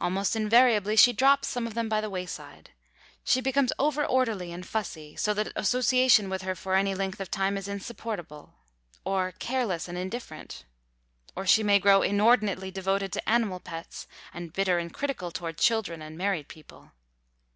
Almost invariably she drops some of them by the wayside. She becomes overorderly and fussy so that association with her for any length of time is insupportable or careless and indifferent. Or she may grow inordinately devoted to animal pets, and bitter and critical toward children and married people.